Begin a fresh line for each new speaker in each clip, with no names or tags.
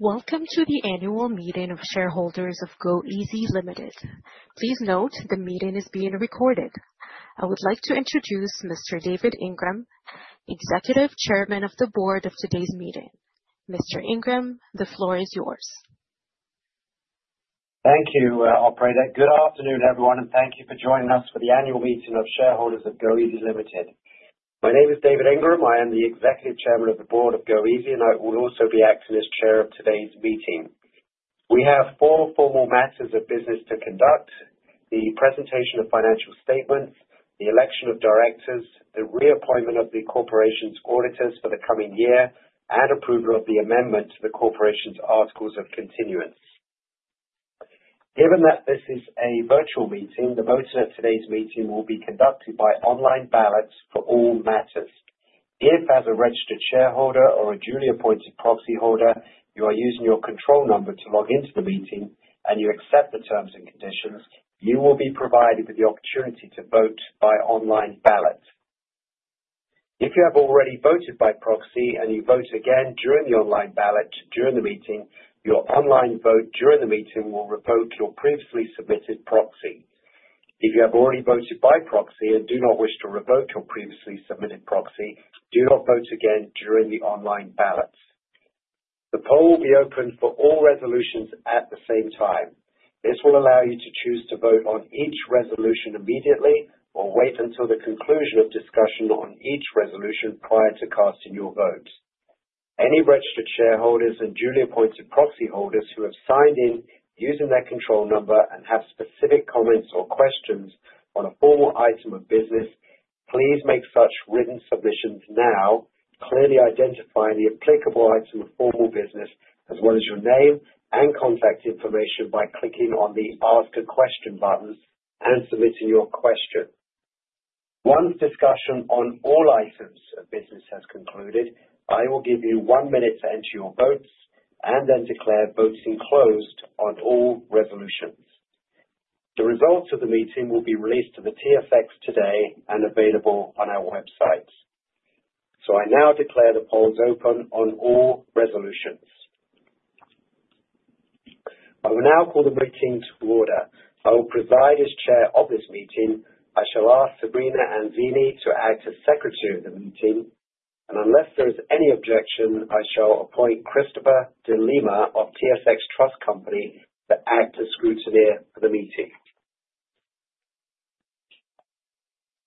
Welcome to the annual meeting of shareholders of goeasy Ltd. Please note the meeting is being recorded. I would like to introduce Mr. David Ingram, Executive Chairman of the Board of today's meeting. Mr. Ingram, the floor is yours.
Thank you. Good afternoon everyone, and thank you for joining us for the annual meeting of shareholders of goeasy Ltd. My name is David Ingram. I am the Executive Chairman of the Board of goeasy, and I will also be acting as Chair of today's meeting. We have four formal matters of business to conduct: the presentation of financial statements, the election of directors, the reappointment of the corporation's auditors for the coming year, and approval of the amendment to the corporation's Articles of Continuance. Given that this is a virtual meeting, the voting at today's meeting will be conducted by online ballots for all matters. If, as a registered shareholder or a duly appointed proxy holder, you are using your control number to log into the meeting and you accept the terms and conditions, you will be provided with the opportunity to vote by online ballot. If you have already voted by proxy and you vote again during the online ballot during the meeting, your online vote during the meeting will revoke your previously submitted proxy. If you have already voted by proxy and do not wish to revoke your previously submitted proxy, do not vote again during the online ballots. The poll will be open for all resolutions at the same time. This will allow you to choose to vote on each resolution immediately or wait until the conclusion of discussion on each resolution prior to casting your vote. Any registered shareholders and duly appointed proxy holders who have signed in using their control number and have specific comments or questions on a formal item of business, please make such written submissions now, clearly identifying the applicable item of formal business, as well as your name and contact information by clicking on the Ask a Question button and submitting your question. Once discussion on all items of business has concluded, I will give you one minute to enter your votes and then declare voting closed on all resolutions. The results of the meeting will be released to the TSX today and available on our website, so I now declare the polls open on all resolutions. I will now call the meeting to order. I will preside as Chair of this meeting. I shall ask Sabrina Anzini to act as Secretary of the meeting, and unless there is any objection, I shall appoint Christopher de Lima of TSX Trust Company to act as Scrutineer for the meeting.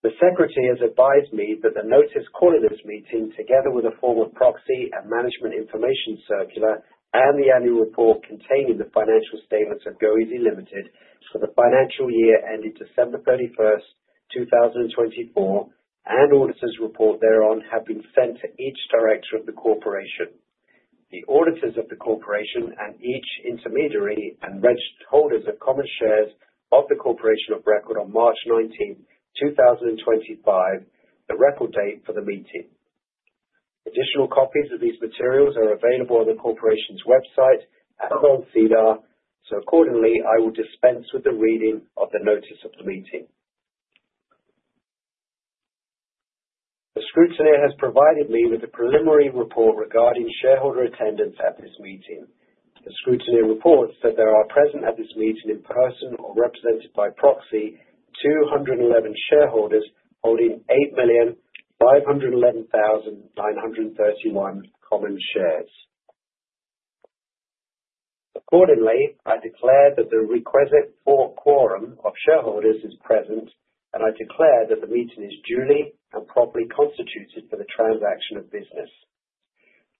The Secretary has advised me that the notice called of this meeting, together with a form of proxy and Management Information Circular, and the annual report containing the financial statements of goeasy Ltd. for the financial year ending December 31st, 2024, and auditor's report thereon have been sent to each director of the corporation, the auditors of the corporation, and each intermediary and reg holders of common shares of the corporation of record on March 19th, 2025, the record date for the meeting. Additional copies of these materials are available on the corporation's website at SEDAR. So accordingly, I will dispense with the reading of the notice of the meeting. The Scrutineer has provided me with a preliminary report regarding shareholder attendance at this meeting. The Scrutineer reports that there are present at this meeting in person or represented by proxy 211 shareholders holding 8,511,931 common shares. Accordingly, I declare that the requisite for quorum of shareholders is present, and I declare that the meeting is duly and properly constituted for the transaction of business.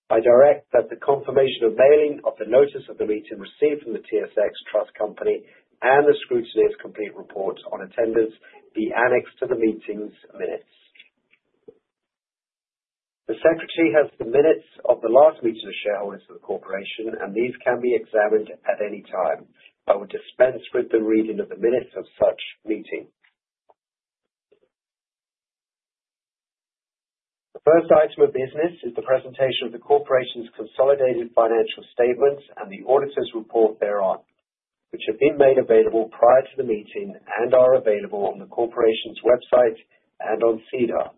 I direct that the confirmation of mailing of the notice of the meeting received from the TSX Trust Company and the Scrutineer's complete report on attendance be annexed to the meeting's minutes. The Secretary has the minutes of the last meeting of shareholders of the corporation, and these can be examined at any time. I will dispense with the reading of the minutes of such meeting. The first item of business is the presentation of the corporation's consolidated financial statements and the auditor's report thereon, which have been made available prior to the meeting and are available on the corporation's website and on SEDAR.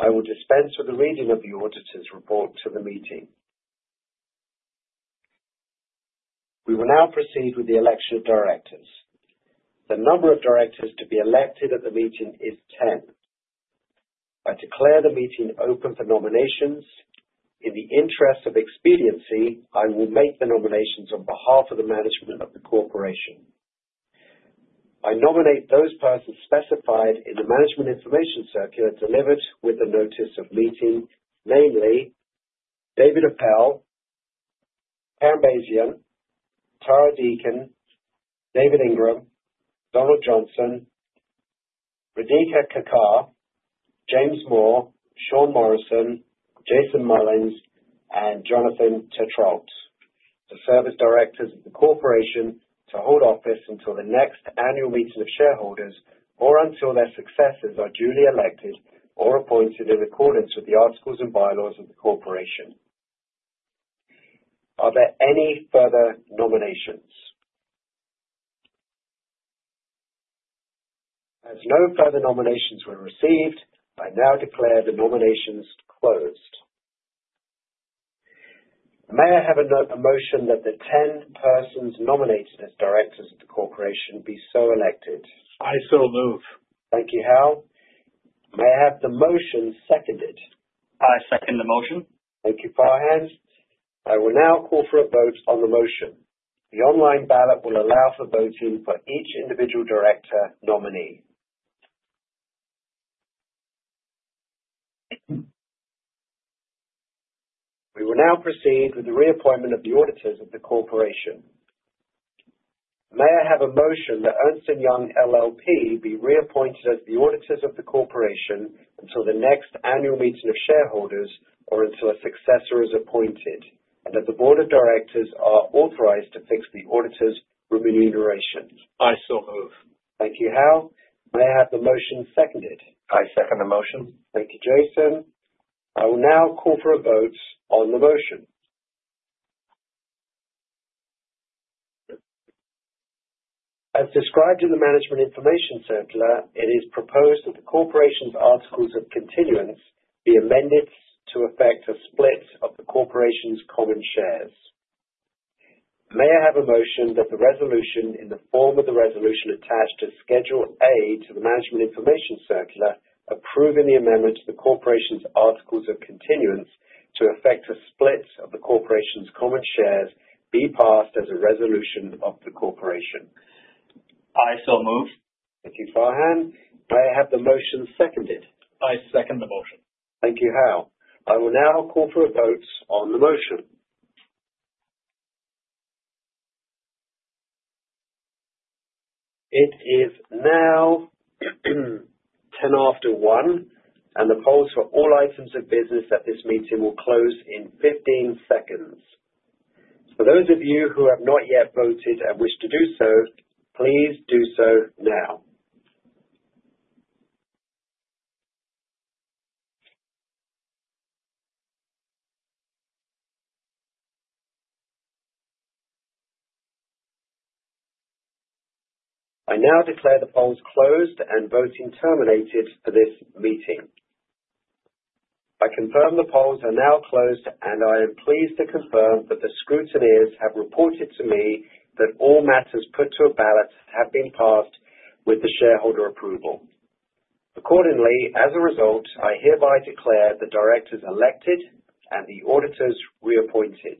I will dispense with the reading of the auditor's report to the meeting. We will now proceed with the election of directors. The number of directors to be elected at the meeting is 10. I declare the meeting open for nominations. In the interest of expediency, I will make the nominations on behalf of the management of the corporation. I nominate those persons specified in the management information circular delivered with the notice of meeting, namely David Appel, Karen Basian, Tara Deakin, David Ingram, Donald Johnson, Radhika Kathuria, James Moore, Sean Morrison, Jason Mullins, and Jonathan Tétrault, the respective directors of the corporation to hold office until the next annual meeting of shareholders or until their successors are duly elected or appointed in accordance with the articles and bylaws of the corporation. Are there any further nominations? As no further nominations were received, I now declare the nominations closed. May I have a motion that the 10 persons nominated as directors of the corporation be so elected? I so move. Thank you, Hal. May I have the motion seconded? I second the motion. Thank you, Farhan. I will now call for a vote on the motion. The online ballot will allow for voting for each individual director nominee. We will now proceed with the reappointment of the auditors of the corporation. May I have a motion that Ernst & Young LLP be reappointed as the auditors of the corporation until the next annual meeting of shareholders or until a successor is appointed, and that the board of directors are authorized to fix the auditor's remuneration? I so move. Thank you, Hal. May I have the motion seconded? I second the motion. Thank you, Jason. I will now call for a vote on the motion. As described in the management information circular, it is proposed that the corporation's articles of continuance be amended to affect a split of the corporation's common shares. May I have a motion that the resolution in the form of the resolution attached to Schedule A to the management information circular approving the amendment to the corporation's articles of continuance to affect a split of the corporation's common shares be passed as a resolution of the corporation? I so move. Thank you, Farhan. May I have the motion seconded? I second the motion. Thank you, Hal. I will now call for a vote on the motion. It is now 1:10 P.M., and the polls for all items of business at this meeting will close in 15 seconds. For those of you who have not yet voted and wish to do so, please do so now. I now declare the polls closed and voting terminated for this meeting. I confirm the polls are now closed, and I am pleased to confirm that the Scrutineers have reported to me that all matters put to a ballot have been passed with the shareholder approval. Accordingly, as a result, I hereby declare the directors elected and the auditors reappointed.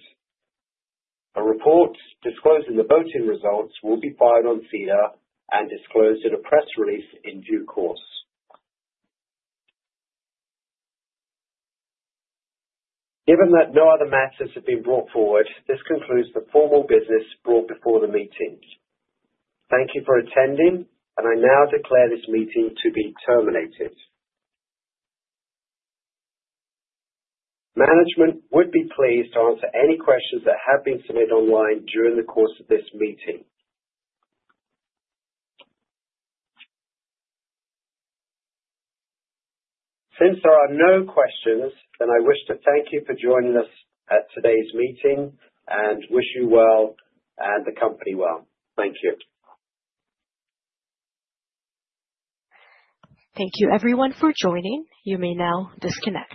A report disclosing the voting results will be filed on SEDAR and disclosed in a press release in due course. Given that no other matters have been brought forward, this concludes the formal business brought before the meeting. Thank you for attending, and I now declare this meeting to be terminated. Management would be pleased to answer any questions that have been submitted online during the course of this meeting. Since there are no questions, then I wish to thank you for joining us at today's meeting and wish you well and the company well. Thank you.
Thank you, everyone, for joining. You may now disconnect.